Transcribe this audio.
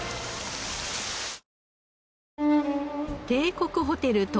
帝国ホテル